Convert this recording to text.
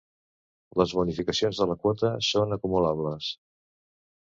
Les bonificacions de la quota són acumulables.